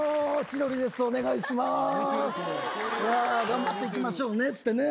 頑張っていきましょうねっつって。